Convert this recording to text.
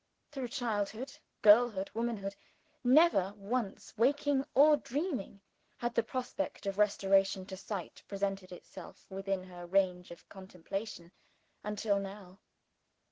Through childhood, girlhood, womanhood never once, waking or dreaming, had the prospect of restoration to sight presented itself within her range of contemplation, until now.